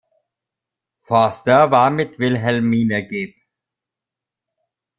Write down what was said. Vorster war mit Wilhelmine geb.